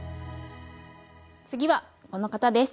次はこの方です！